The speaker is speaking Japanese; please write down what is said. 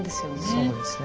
そうですね。